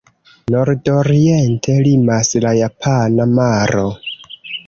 Nordoriente limas la Japana maro.